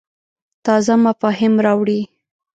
تازه مفاهیم راوړې.